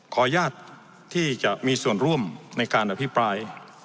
ขออนุญาตที่จะมีส่วนร่วมในการอภิปราย